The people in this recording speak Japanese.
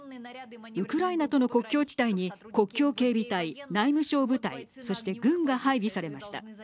ウクライナとの国境地帯に国境警備隊、内務省部隊そして軍が配備されました。